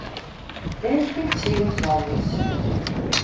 ერთი მცირე ზომის.